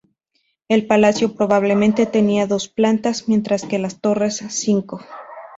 El palacio probablemente tenía dos plantas, mientras que las torres cinco.